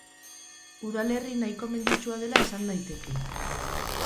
Udalerri nahiko menditsua dela esan daiteke.